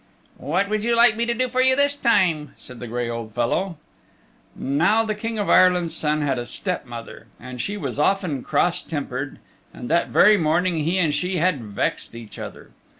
"What would you like me to do for you this time?" said the gray old fellow. Now the King's Son had a step mother, and she was often cross tempered, and that very morning he and she had vexed each other.